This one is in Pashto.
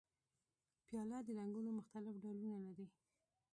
پیاله د رنګونو مختلف ډولونه لري.